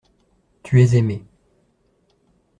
Tu es aimé.